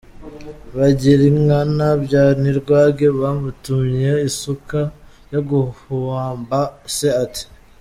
Bigirankana bya Nirwange bamutumye isuka yo guhamba se, ati